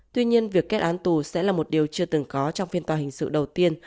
tuy nhiên việc kết án tù sẽ là một điều chưa từng có trong phiên tòa hình sự đầu tiên